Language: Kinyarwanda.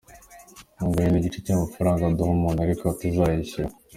Inkunga yo ni igice cy’amafaranga duha umuntu ariko atazayishyura.